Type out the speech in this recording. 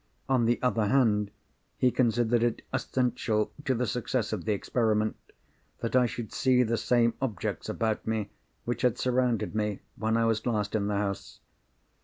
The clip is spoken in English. On the other hand, he considered it essential to the success of the experiment, that I should see the same objects about me which had surrounded me when I was last in the house.